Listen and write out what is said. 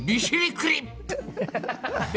クリップ！